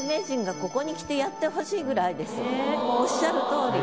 もうおっしゃるとおり。